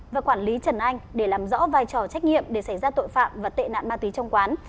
và quản lý trần anh để làm rõ vai trò trách nhiệm để xảy ra tội phạm và tệ nạn ma túy trong quán